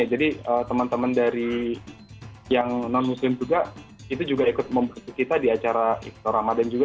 jadi teman teman dari yang non muslim juga itu juga ikut membantu kita di acara ramadan juga